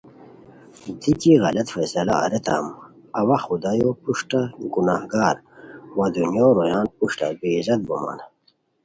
دی کی غلط فیصلہ اریتام اوا خدایو پروشٹہ گنہگار وا دنیو رویان پروشٹہ بے عزت بومان